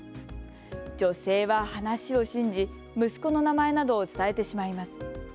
女性は話を信じ息子の名前などを伝えてしまいます。